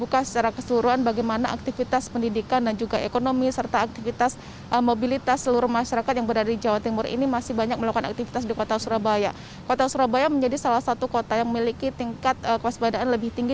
kota surabaya juga memiliki tingkat kewaspadaan yang lebih tinggi